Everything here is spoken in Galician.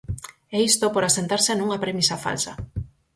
E isto por asentarse nunha premisa falsa.